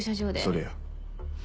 それや。